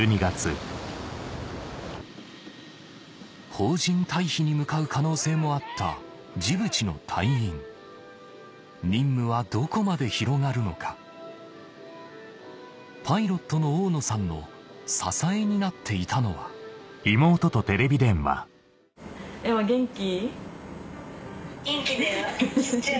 邦人退避に向かう可能性もあったジブチの隊員任務はどこまで広がるのかパイロットの大野さんの支えになっていたのは元気。